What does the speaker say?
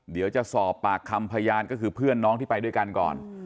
เดี๋ยวจะสอบปากคำพยานก็คือเพื่อนน้องที่ไปด้วยกันก่อน